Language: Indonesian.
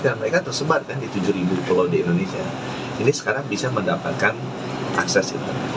karena mereka tersebar kan di tujuh pulau di indonesia ini sekarang bisa mendapatkan akses internet